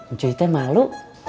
ucuy teh malu